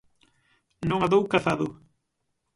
Non a dou cazado!